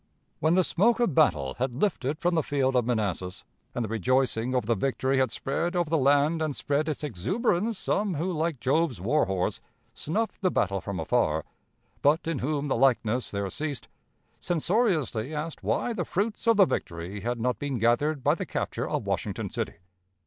When the smoke of battle had lifted from the field of Manassas, and the rejoicing over the victory had spread over the land and spent its exuberance, some, who, like Job's war horse, "snuffed the battle from afar," but in whom the likeness there ceased, censoriously asked why the fruits of the victory had not been gathered by the capture of Washington City.